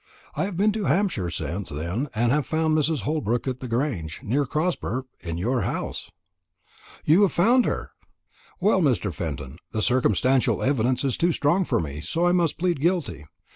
I have been to Hampshire since then, and have found Mrs. Holbrook at the Grange, near Crosber in your house." "You have found her! Well, Mr. Fenton, the circumstantial evidence is too strong for me, so I must plead guilty.